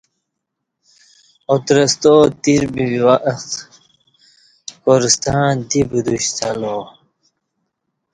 اترستا تیر بی وخت کا ر ستݩع دی بدوشت الو